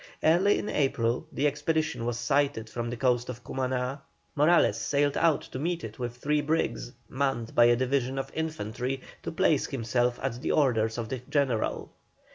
Early in April the expedition was sighted from the coast of Cumaná; Morales sailed out to meet it with three brigs, manned by a division of infantry, to place himself at the orders of the general.